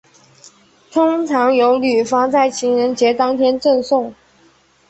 通常由女方在情人节当天赠送。